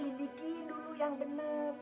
selidiki dulu yang bener